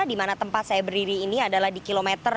di mana tempat saya berdiri ini adalah di kilometer dua puluh tiga